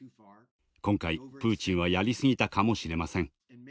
今回プーチンはやりすぎたかもしれません。